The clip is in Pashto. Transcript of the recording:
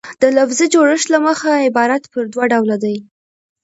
د لفظي جوړښت له مخه عبارت پر دوه ډوله ډﺉ.